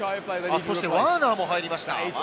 ワーナーも入りました。